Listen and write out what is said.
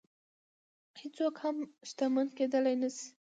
هېڅوک هم شتمن کېدلی نه شي.